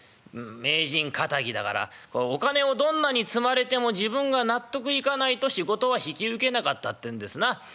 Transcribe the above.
名人かたぎだからお金をどんなに積まれても自分が納得いかないと仕事は引き受けなかったってんですな。